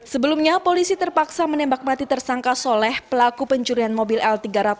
sebelumnya polisi terpaksa menembak mati tersangka soleh pelaku pencurian mobil l tiga ratus